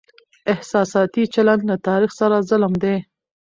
احساساتي چلند له تاريخ سره ظلم دی.